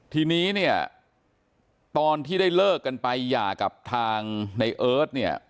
ทีนี้ตอนที่ได้เลิกกันไปหย่ากับทางในเอิิร์ท